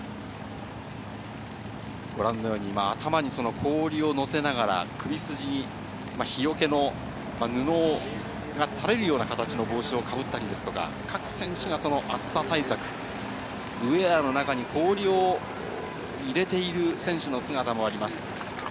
ご覧のように今、頭に氷を載せながら、首筋に日よけの布が垂れるような形の帽子をかぶったりですとか、各選手が暑さ対策、ウエアの中に氷を入れている選手の姿もあります。